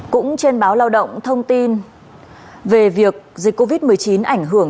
cũng trên báo lao động thông tin về việc dịch covid một mươi chín ảnh hưởng